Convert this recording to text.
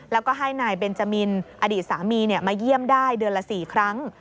แล้วก็ให้นายเบนจมินอดีตสามีมาเยี่ยมได้เดือนละ๔ครั้ง